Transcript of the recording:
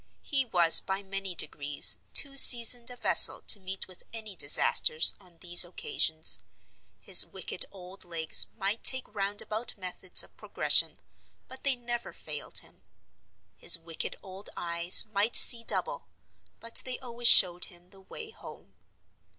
He was by many degrees too seasoned a vessel to meet with any disasters on these occasions. His wicked old legs might take roundabout methods of progression, but they never failed him; his wicked old eyes might see double, but they always showed him the way home.